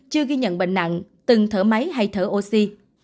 chưa ghi nhận bệnh nặng từng thở máy hay thở oxy